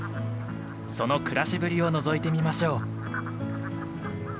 その暮らしぶりをのぞいてみましょう。